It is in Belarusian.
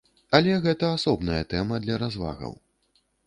Але гэта асобная тэма для развагаў.